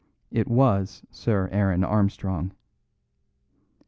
It was Sir Aaron Armstrong.